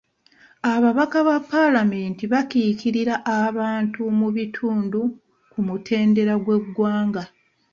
Ababaka ba palamenti bakiikirira abantu mu bitundu ku mutendera gw'eggwanga.